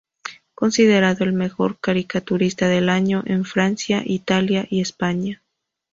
Considerado el mejor caricaturista del año en Francia, Italia y España.